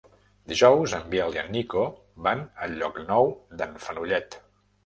Dijous en Biel i en Nico van a Llocnou d'en Fenollet.